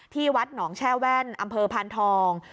ที่วัดหนองแช่แว่นอำเภอพานทอง